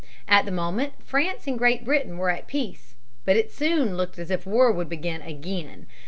At the moment France and Great Britain were at peace. But it soon looked as if war would begin again.